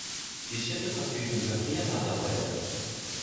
Die Schiffe verfügen über vier Laderäume.